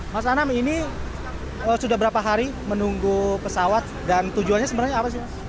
mas anam ini sudah berapa hari menunggu pesawat dan tujuannya sebenarnya apa sih